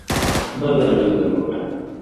بده اغېزه وکړه.